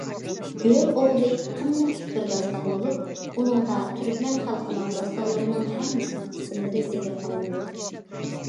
گۆر ئوغلى قىممەتلىك بىر داستان بولۇپ، ئۇنىڭدا تۈركمەن خەلقىنىڭ داستانلىرىنىڭ ھەممىسىنىڭ ئىسىملىرى زىكىر قىلىنىدۇ.